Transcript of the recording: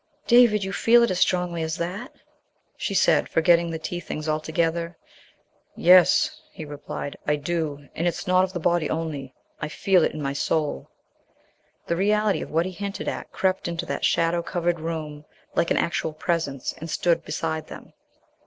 "David, you feel it as strongly as that!" she said, forgetting the tea things altogether. "Yes," he replied, "I do. And it's not of the body only, I feel it in my soul." The reality of what he hinted at crept into that shadow covered room like an actual Presence and stood beside them.